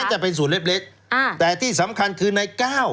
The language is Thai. จะเป็นส่วนเล็กแต่ที่สำคัญคือในก้าว